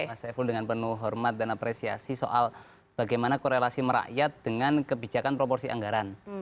mas saiful dengan penuh hormat dan apresiasi soal bagaimana korelasi merakyat dengan kebijakan proporsi anggaran